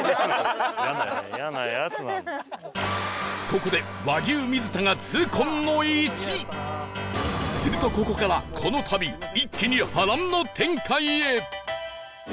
ここでするとここからこの旅一気に波乱の展開へ！